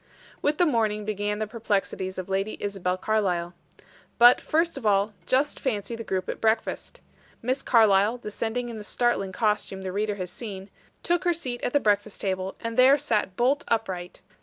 With the morning began the perplexities of Lady Isabel Carlyle. But, first of all, just fancy the group at breakfast. Miss Carlyle descended in the startling costume the reader has seen, took her seat at the breakfast table, and there sat bolt upright.